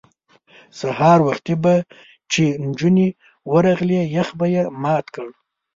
سهار وختي به چې نجونې ورغلې یخ به یې مات کړ.